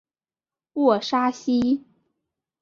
沃沙西。